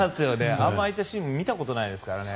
あんなシーン見たことないですからね。